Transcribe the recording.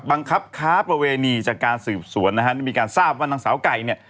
บังคับค้าประเวณีจากการสืบสวนนะฮะนี่มีการทราบว่านางสาวไก่เนี่ย